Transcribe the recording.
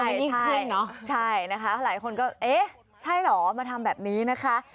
ยิ่งขึ้นเนอะใช่นะคะหลายคนก็เอ๊ะใช่เหรอมาทำแบบนี้นะคะ